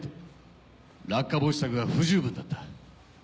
落下防止策が不十分だった。